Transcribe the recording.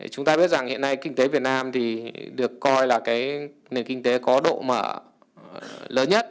chúng ta biết rằng hiện nay kinh tế việt nam thì được coi là nền kinh tế có độ mở lớn nhất